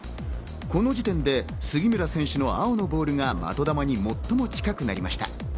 この時点で杉村選手の青のボールが的球に最も近くなりました。